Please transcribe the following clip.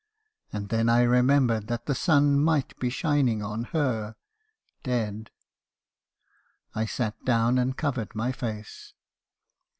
And then I remembered that that sun might be shining on her, — dead. "I sat down and covered my face.